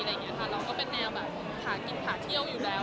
เราก็เป็นแนวแบบหากินขาเที่ยวอยู่แล้ว